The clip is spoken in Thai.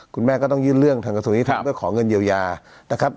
คุณแม่ก็ต้องยื่นเรื่องทางกฎศูนย์นี้ทางเพื่อขอเงินเยียวยานะครับ